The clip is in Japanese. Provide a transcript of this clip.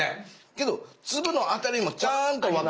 けど粒のあたりもちゃんとわかる。